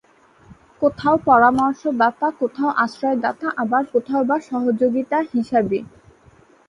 কোথাও পরামর্শদাতা, কোথাও আশ্রয় দাতা আবার কোথাও বা সহযোগী হিসাবে।